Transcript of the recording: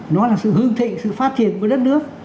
nó là sự hương thịnh sự phát triển của đất nước